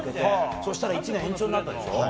そしたら１年延期になったでしょ。